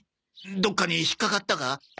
どっかに引っかかったか？